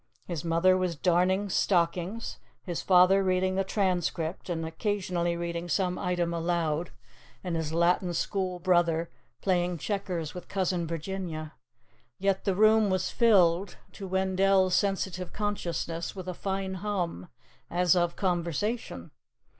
His mother was darning stockings, his father reading the Transcript and occasionally reading some item aloud, and his Latin School brother playing checkers with Cousin Virginia. Yet the room was filled, to Wendell's sensitive consciousness, with a fine hum, as of conversation.